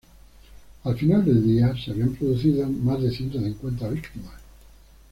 Al final del día, se habían producido más de ciento cincuenta víctimas.